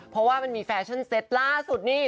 เพราะว่ามันมีแฟชั่นเซตล่าสุดนี่